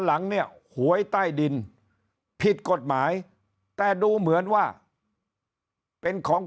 หลังเนี่ยหวยใต้ดินผิดกฎหมายแต่ดูเหมือนว่าเป็นของ